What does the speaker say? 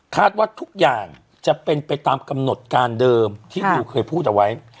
ว่าทุกอย่างจะเป็นไปตามกำหนดการเดิมที่นิวเคยพูดเอาไว้